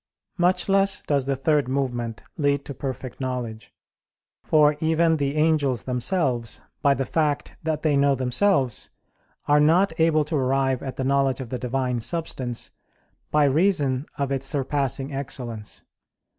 Much less does the third movement lead to perfect knowledge: for even the angels themselves, by the fact that they know themselves, are not able to arrive at the knowledge of the Divine Substance, by reason of its surpassing excellence.